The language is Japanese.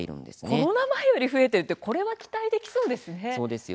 コロナ前より増えているというのは期待ができそうですね。